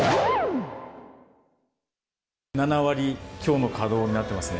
７割強の稼働になってますね。